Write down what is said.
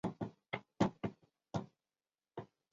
其窗之建材多采台北当地砂岩。